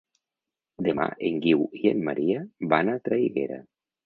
Demà en Guiu i en Maria van a Traiguera.